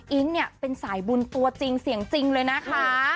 เนี่ยเป็นสายบุญตัวจริงเสียงจริงเลยนะคะ